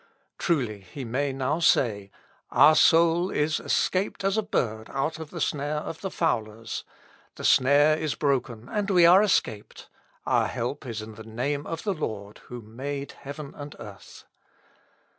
Truly he may now say, "_Our soul is escaped as a bird out of the snare of the fowlers: the snare is broken, and we are escaped. Our help is in the name of the Lord, who made heaven and earth.